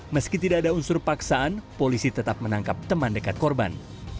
meski tidak ada unsur paksaan polisi tetap menangkap teman dekat korban